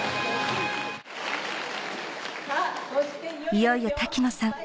いよいよ滝野さん